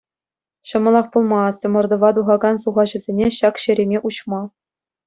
Ҫӑмӑлах пулмасть ӑмӑртӑва тухакан сухаҫӑсене ҫак ҫереме уҫма.